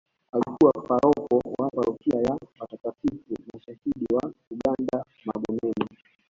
Alikuwa paroko wa parokia ya watakatifu mashahidi wa uganda Magomeni